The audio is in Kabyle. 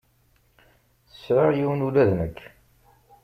Sεiɣ yiwen ula d nekk.